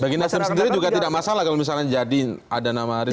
bagi nasdem sendiri juga tidak masalah kalau misalnya jadi ada nama haris